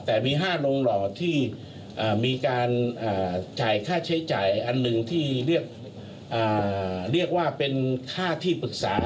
แต่มี๕โรงหล่อที่มีการจ่ายค่าใช้จ่ายอันหนึ่งที่เรียกว่าเป็นค่าที่ปรึกษา